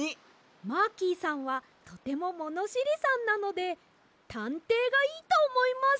マーキーさんはとてもものしりさんなのでたんていがいいとおもいます